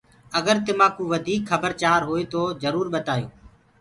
اگر تمآنٚ ڪوُ وڌيٚڪ کبر چآر هوئي تو جرور ٻتآيو